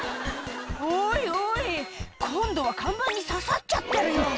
「おいおい今度は看板に刺さっちゃってるよ」